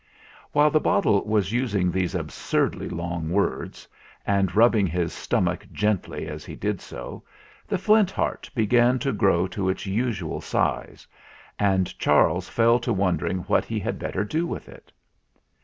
While the bottle was using these absurdly long words, and rubbing his stomach gently as he did so, the Flint Heart began to grow to its usual size and Charles fell to wondering what he had better do with it.